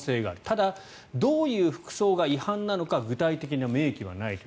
ただ、どういう服装が違反なのか具体的な明記はないと。